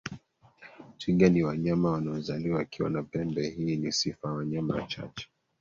Twiga ni wanyama wanao zaliwa wakiwa na pembe hii ni sifa ya wanyama wachache